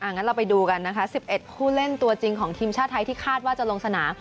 งั้นเราไปดูกันนะคะ๑๑ผู้เล่นตัวจริงของทีมชาติไทยที่คาดว่าจะลงสนาม